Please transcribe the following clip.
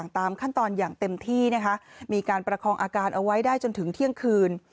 ตามขั้นตอนอย่างเต็มที่นะคะมีการประคองอาการเอาไว้ได้จนถึงเที่ยงคืน